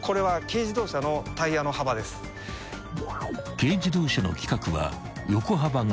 ［軽自動車の規格は横幅が］